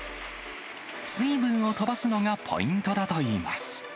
水分を飛ばすのがポイントだといいます。